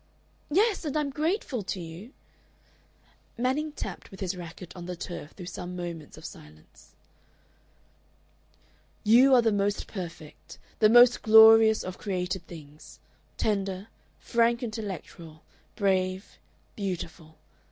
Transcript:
"Yes. And I am grateful to you...." Manning tapped with his racket on the turf through some moments of silence. "You are the most perfect, the most glorious of created things tender, frank intellectual, brave, beautiful.